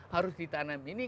harus ditanam ini